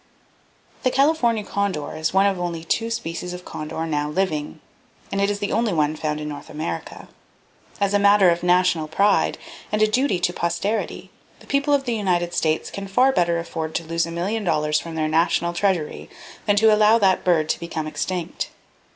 The California Condor is one of the only two species of condor now living, and it is the only one found in North America. As a matter of national pride, and a duty to posterity, the people of the United States can far better afford to lose a million dollars from their national treasury than to allow that bird to become extinct.